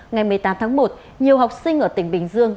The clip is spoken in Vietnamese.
ngày một mươi tám tháng một nhiều học sinh ở tỉnh bình dương